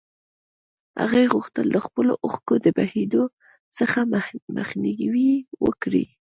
هغې غوښتل د خپلو اوښکو د بهېدو څخه مخنيوی وکړي.